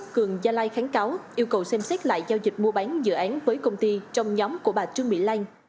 công dịch mua bán dự án với công ty trong nhóm của bà trương mỹ lan